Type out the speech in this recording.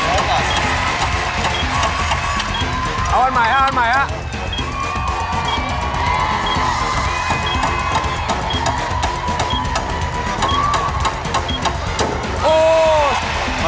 เอาอันใหม่เอาอันใหม่ฮะ